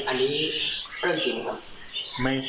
อันนี้เรื่องจริงครับ